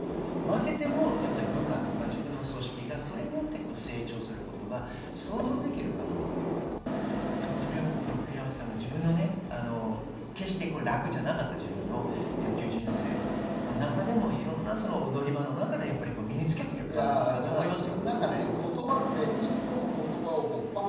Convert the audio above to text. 負けることも織り込んでいて、計算をして、中期的・長期的な計画はあるけれど、その時に得られること、負けても部下とか自分の組織がそれによって、成長することが想像できるかどうかということ、多分それを栗山さんが自分のね、決して楽じゃなかった自分の野球人生の中でもいろんなおどり場の中で身につけている監督だと思いますよ。